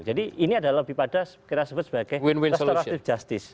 jadi ini adalah lebih pada kita sebut sebagai restoratif justice